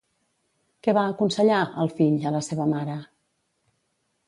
Què va aconsellar, el fill, a la seva mare?